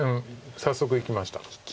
早速いきました。